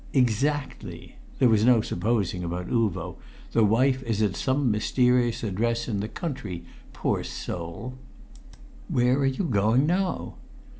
"Exactly!" There was no supposing about Uvo. "The wife at some mysterious address in the country poor soul!" "Where are you going now?"